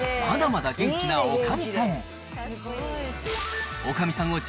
まだまだ元気なおかみさん。